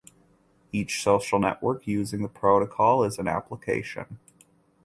Each social network using the protocol is an "application".